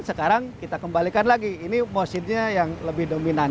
sekarang kita kembalikan lagi ini mositnya yang lebih dominan